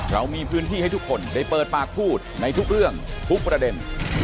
เรามีพื้นที่ให้ทุกคนได้เปิดปากพูดในทุกเรื่องทุกประเด็น